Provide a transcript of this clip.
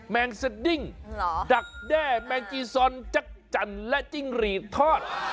แมงสดิ้งดักแด้แมงจีซอนจักรจันทร์และจิ้งหรีดทอด